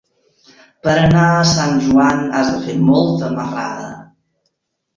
Per anar a Sant Joan has de fer molta marrada.